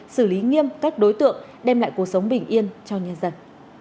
xử lý nghiêm các đối tượng đem lại cuộc sống bình yên cho nhân dân